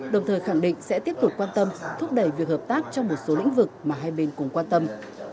đồng thời khẳng định sẽ tiếp tục quan tâm thúc đẩy việc hợp tác trong một số lĩnh vực mà hai bên cùng quan tâm